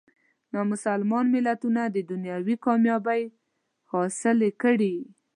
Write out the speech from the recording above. نامسلمان ملتونه دنیوي کامیابۍ حاصلې کړي.